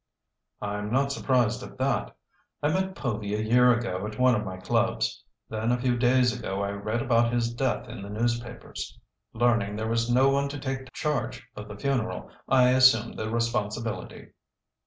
"I'm not surprised at that. I met Povy a year ago at one of my clubs. Then a few days ago I read about his death in the newspapers. Learning there was no one to take charge of the funeral, I assumed the responsibility."